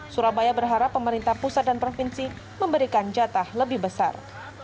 surabaya berharap pemerintah pusat dan provinsi memberikan jatah lebih besar